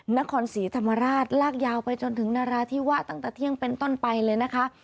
นครศรีธรรมราชลากยาวไปจนถึงนราธิวะตั้งแต่เที่ยงเป็นต้นไปเลยนะคะ